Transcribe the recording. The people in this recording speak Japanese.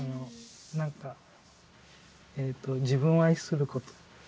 何か自分を愛すること。